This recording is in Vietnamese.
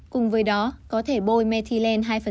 cùng với đó có thể bôi methylene hai